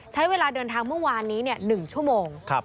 ใช้เวลาเดินทางเมื่อวานนี้๑ชั่วโมง